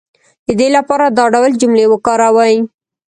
د دې لپاره دا ډول جملې وکاروئ